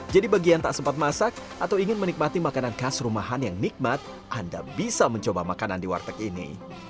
jadi bagi yang tak sempat masak atau ingin menikmati makanan khas rumahan yang nikmat anda bisa mencoba makanan di warteg ini